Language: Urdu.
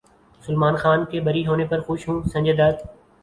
سلمان خان کے بری ہونے پر خوش ہوں سنجے دت